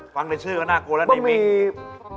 ฟังในชื่อก็น่ากลัวแล้วนี่เม้งค์